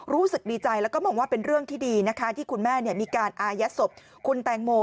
รู้สึกดีใจแล้วก็มองว่าเป็นเรื่องที่ดีนะคะที่คุณแม่มีการอายัดศพคุณแตงโม